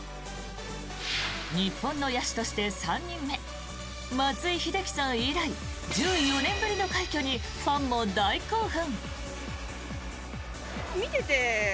日本の野手として３人目松井秀喜さん以来１４年ぶりの快挙にファンも大興奮。